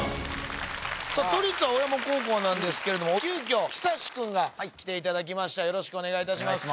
さあ都立青山高校なんですけれども急きょ久志くんが来ていただきましたよろしくお願いします